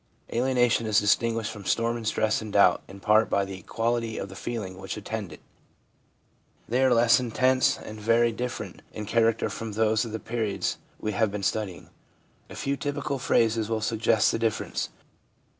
Alienation is distinguished from storm and stress and doubt in part by the quality of the feelings which attend it ; they are less intense and very different in character from those of the periods we have been studying. A few typical phrases will suggest the difference.